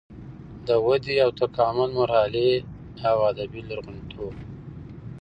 د ودې او تکامل مرحلې او ادبي لرغونتوب